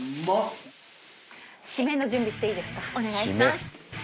お願いします。